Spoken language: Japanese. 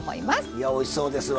いやおいしそうですわ。